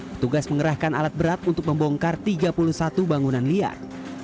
petugas mengerahkan alat berat untuk membongkar tiga puluh satu bangunan liar